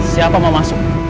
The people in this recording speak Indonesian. siapa mau masuk